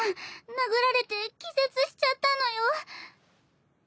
殴られて気絶しちゃったのよ。